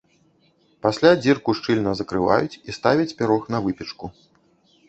Пасля дзірку шчыльна закрываюць і ставяць пірог на выпечку.